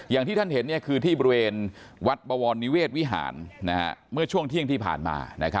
อย่างที่ท่านเห็นคือที่บริเวณวัดบวรนิเวศวิหารเมื่อช่วงเที่ยงที่ผ่านมา